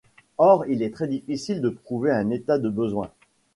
Or il est très difficile de prouver un état de besoin.